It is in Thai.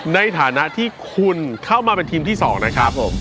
ในฐานะที่คุณเข้ามาเป็นทีมที่๒นะครับผม